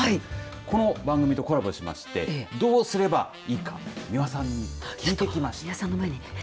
この番組とコラボしましてどうすればいいか美輪さんに聞いてきました。